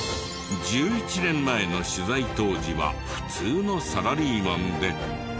１１年前の取材当時は普通のサラリーマンで。